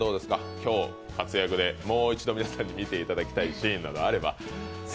今日活躍でもう一度皆さんに見ていただきたいシーンなどあれば。